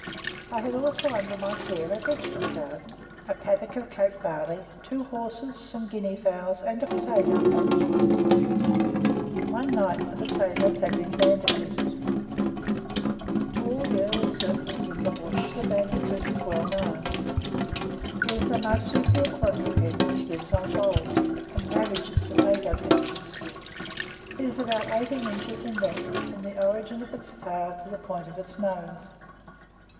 I had also under my care a vegetable garden, a paddock of Cape barley, two horses, some guinea fowls, and a potato patch. One night the potatoes had been bandicooted. To all the early settlers in the bush the bandicoot is well known. It is a marsupial quadruped which lives on bulbs, and ravages potato patches. It is about eighteen inches in length from the origin of its tail to the point of its nose.